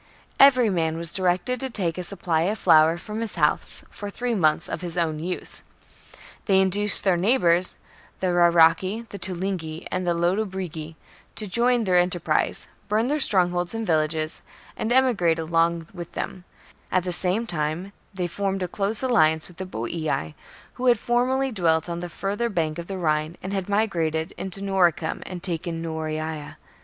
Every man was directed to take a supply of flour from his house for three months for his own use. They induced their neighbours, the Rauraci, the Tulingi, and the Latobrigi, to join their enterprise, burn their strongholds and villages, and emigrate along with them ; at the same time they formed a close alliance with the Boii, who had formerly dwelt on the further bank of the Rhine, and had migrated into Noricum and taken Noreia.